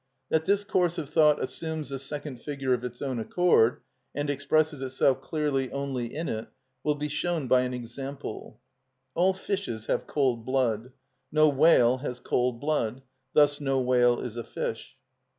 That this course of thought assumes the second figure of its own accord, and expresses itself clearly only in it, will be shown by an example: All fishes have cold blood; No whale has cold blood: Thus no whale is a fish.